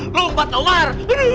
lompat pak umar